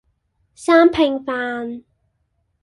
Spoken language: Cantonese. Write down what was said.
三拼飯